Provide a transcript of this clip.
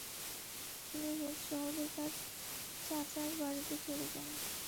তিনি হেগ শহরে তার চাচার বাড়িতে চলে যান।